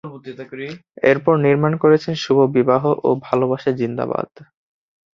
এরপর নির্মাণ করেছেন ‘শুভ বিবাহ’ ও ‘ভালোবাসা জিন্দাবাদ’।